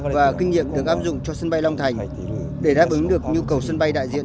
và kinh nghiệm được áp dụng cho sân bay long thành để đáp ứng được nhu cầu sân bay đại diện